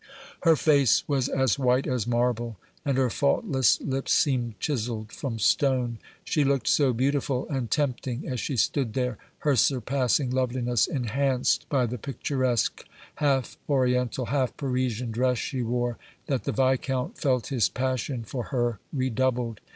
Her face was as white as marble and her faultless lips seemed chiseled from stone. She looked so beautiful and tempting as she stood there, her surpassing loveliness enhanced by the picturesque half oriental, half Parisian dress she wore, that the Viscount felt his passion for her redoubled.